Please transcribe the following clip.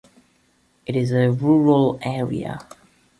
It is a rural area.